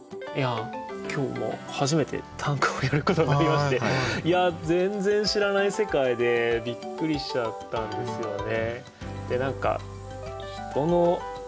今日初めて短歌をやることになりましていや全然知らない世界でびっくりしちゃったんですよね。